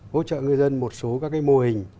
hỗ trợ người dân một số các cái mô hình